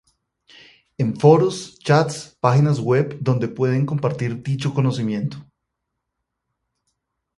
En foros, chats, páginas web donde pueden compartir dicho conocimiento.